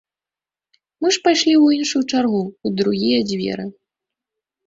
Мы ж пайшлі ў іншую чаргу, у другія дзверы.